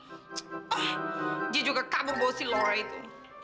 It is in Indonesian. oh dia juga kabur bau si laura itu